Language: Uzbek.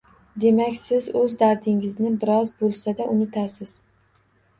Demak siz o‘z dardingizni biroz bo‘lsa-da unutasiz.